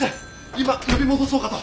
今呼び戻そうかと。